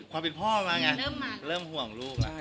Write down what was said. ความเป็นพ่อมาไงเริ่มห่วงลูก